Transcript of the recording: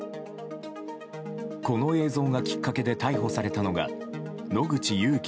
この映像がきっかけで逮捕されたのが野口勇樹